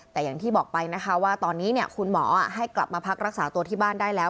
แต่อย่างที่บอกไปนะคะว่าตอนนี้คุณหมอให้กลับมาพักรักษาตัวที่บ้านได้แล้ว